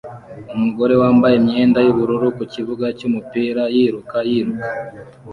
Umugore wambaye imyenda yubururu ku kibuga cyumupira yiruka yiruka